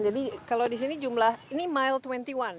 jadi kalau di sini jumlah ini mile dua puluh satu ya